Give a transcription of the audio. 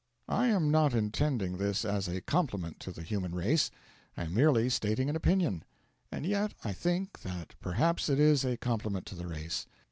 I am not intending this as a compliment to the human race, I am merely stating an opinion. And yet I think that perhaps it is a compliment to the race.